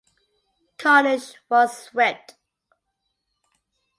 Cornish was whipped.